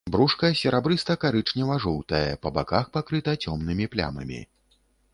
Брушка серабрыста-карычнева-жоўтае, па баках пакрыта цёмнымі плямамі.